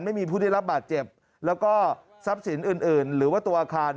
ไม่มีผู้ได้รับบาดเจ็บแล้วก็ทรัพย์สินอื่นหรือว่าตัวอาคาร